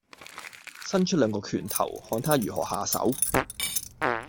伸出兩個拳頭，看他如何下手。